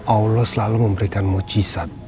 allah selalu memberikan mujizat